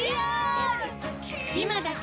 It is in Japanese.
今だけ！